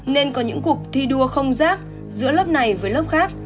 nên có những cuộc thi đua không rác giữa lớp này với lớp khác